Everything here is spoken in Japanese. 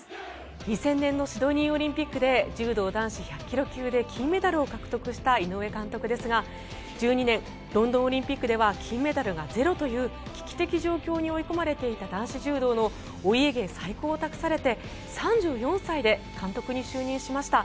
２０００年のシドニーオリンピックで柔道男子１００ｋｇ級で金メダルを獲得した井上監督ですが２０１２年ロンドンオリンピックでは金メダルがゼロという危機的状況に追い込まれていた男子柔道のお家芸再興を託されて３４歳で監督に就任しました。